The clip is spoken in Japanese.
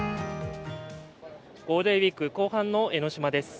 ゴールデンウイーク後半の江の島です。